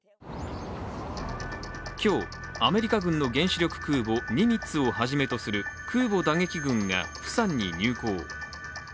今日、アメリカ軍の原子力空母「ニミッツ」をはじめとする空母打撃群が、釜山に入港。